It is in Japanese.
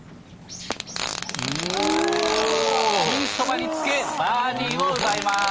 ピンそばにつけ、バーディーを奪います。